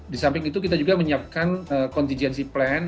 di samping itu kita juga menyiapkan contingency plan